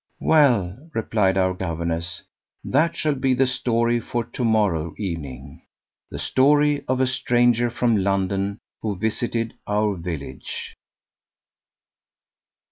"Well," replied our governess, "that shall be the story for to morrow evening the story of a stranger from London who visited our village."